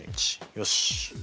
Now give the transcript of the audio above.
よし。